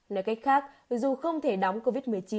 nói cách khác vì dù không thể đóng covid một mươi chín